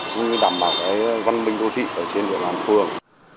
cũng như đảm bảo văn minh đô thị trên địa đoàn phường